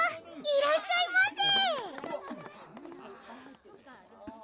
いらっしゃいませ！